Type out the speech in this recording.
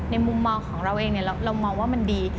มุมมองของเราเองเรามองว่ามันดี